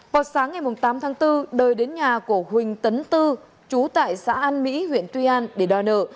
vào sáng ngày tám tháng bốn đời đến nhà của huỳnh tấn tư chú tại xã an mỹ huyện tuy an để đòi nợ